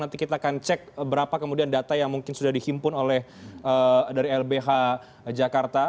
nanti kita akan cek berapa kemudian data yang mungkin sudah dihimpun oleh dari lbh jakarta